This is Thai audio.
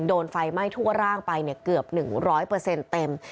โดนไฟไหม้ทั่วร่างไปเนี่ยเกือบหนึ่งร้อยเปอร์เซ็นต์เต็ม